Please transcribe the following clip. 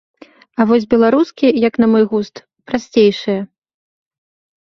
А вось беларускі, як на мой густ, прасцейшыя.